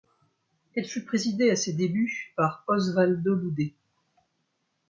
Elle fut présidée à ses débuts par Osvaldo Loudet.